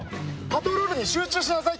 パトロールに集中しなさい